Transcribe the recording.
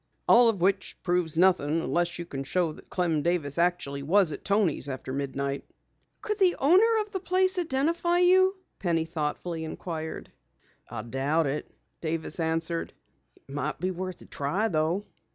"All of which proves nothing unless you can show that Clem Davis actually was at Toni's after midnight." "Could the owner of the place identify you?" Penny thoughtfully inquired. "I doubt it," Davis answered. "It might be worth a try, though."